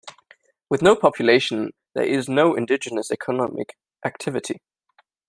With no population, there is no indigenous economic activity.